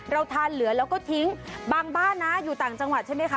เราทานเหลือแล้วก็ทิ้งบางบ้านนะอยู่ต่างจังหวัดใช่ไหมคะ